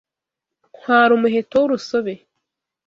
Ntwara umuheto w'urusobe